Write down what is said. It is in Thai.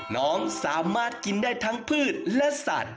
น้องสามารถกินได้ทั้งพืชและสัตว์